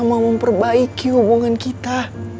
mencoba memperbaiki hubungan kita